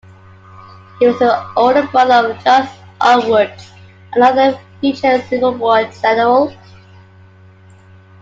He was the older brother of Charles R. Woods, another future Civil War general.